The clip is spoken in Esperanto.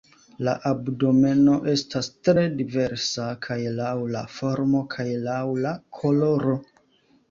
La abdomeno estas tre diversa, kaj laŭ la formo kaj laŭ la koloro.